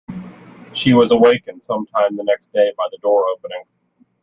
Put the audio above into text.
She was awakened some time the next day by the door opening.